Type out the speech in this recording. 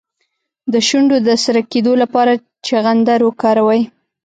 د شونډو د سره کیدو لپاره چغندر وکاروئ